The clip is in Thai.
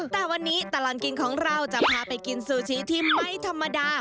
แต่วันนี้ตลอดกินของเราจะพาไปกินซูชิที่ไม่ธรรมดา